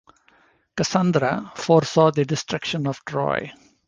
Cassandra foresaw the destruction of Troy.